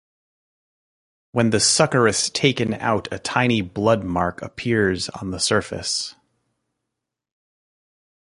When the suckeris taken out a tiny blood mark appears on the surface.